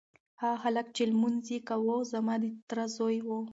هغه هلک چې لمونځ یې کاوه زما د تره زوی و.